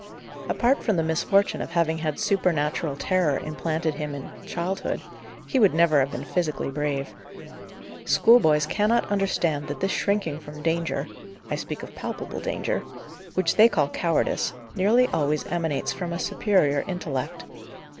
Apart from the misfortune of having had supernatural terror implanted in him in childhood, he would never have been physically brave. Schoolboys cannot understand that this shrinking from danger (I speak of palpable danger), which they call cowardice, nearly always emanates from a superior intellect.